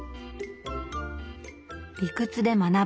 理屈で学ぶ。